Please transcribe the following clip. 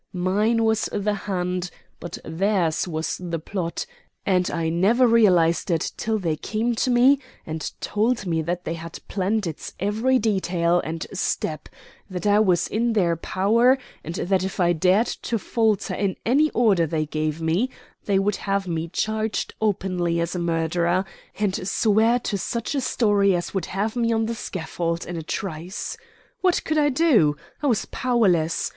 Mine was the hand, but theirs was the plot; and I never realized it till they came to me and told me that they had planned its every detail and step, that I was in their power; and that if I dared to falter in any order they gave me, they would have me charged openly as a murderer, and swear to such a story as would have me on the scaffold in a trice. What could I do? I was powerless.